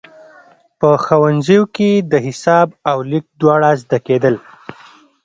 په ښوونځیو کې د حساب او لیک دواړه زده کېدل.